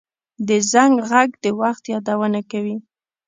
د زنګ غږ د وخت یادونه کوي